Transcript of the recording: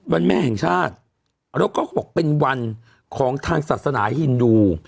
วันแม่แห่งชาติแล้วก็เขาบอกเป็นวันของทางศาสนาฮินดู